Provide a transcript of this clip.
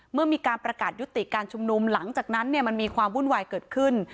เมื่อมีการประกาศยุติการชุมนุมหลังจากนั้นมันมีความวุ่นวายเกิดขึ้น